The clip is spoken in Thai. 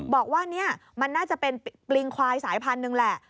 บอกว่านี่มันน่าจะเป็นปริงควายสายพันธุ์หนึ่งแหละ